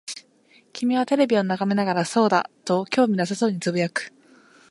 君はテレビを眺めながら、そうだ、と興味なさそうに呟く。